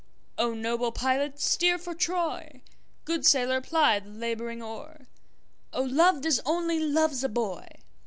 O noble pilot steer for Troy, Good sailor ply the labouring oar,O loved as only loves a boy!